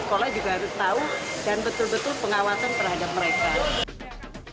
sekolah juga harus tahu dan betul betul pengawasan terhadap mereka